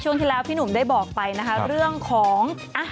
แน่นอน